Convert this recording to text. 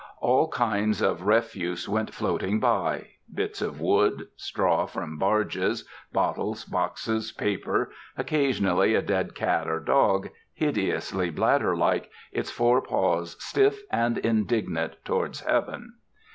All kinds of refuse went floating by: bits of wood, straw from barges, bottles, boxes, paper, occasionally a dead cat or dog, hideously bladder like, its four paws stiff and indignant towards heaven.